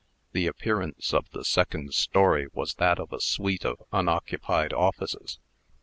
The appearance of the second story was that of a suite of unoccupied offices.